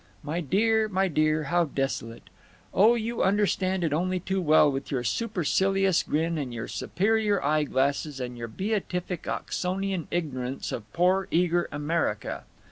My dear, my dear, how desolate—Oh you understand it only too well with your supercilious grin & your superior eye glasses & your beatific Oxonian ignorance of poor eager America.